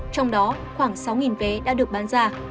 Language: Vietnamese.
trong đó khoảng sáu vé đã được bán ra